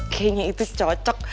kayaknya itu cocok